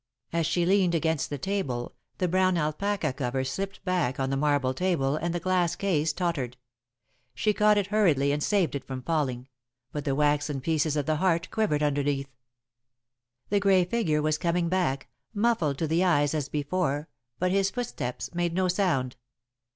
As she leaned against the table, the brown alpaca cover slipped back on the marble table and the glass case tottered. She caught it hurriedly and saved it from falling, but the waxen pieces of the heart quivered underneath. [Sidenote: The Symbol of Hope] The grey figure was coming back, muffled to the eyes as before, but his footsteps made no sound.